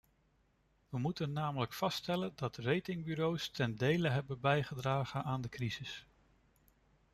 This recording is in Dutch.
We moeten namelijk vaststellen dat ratingbureaus ten dele hebben bijgedragen aan de crisis.